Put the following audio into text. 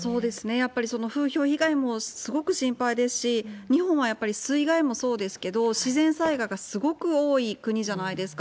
やっぱり風評被害もすごく心配ですし、日本はやっぱり水害もそうですけど、自然災害がすごく多い国じゃないですか。